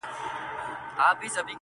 o د انتظار خبري ډيري ښې دي.